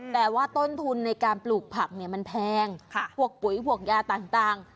แต่ว่าต้นทุนในการปลูกผักมันแพงพวกปุ๋ยพวกยาต่าง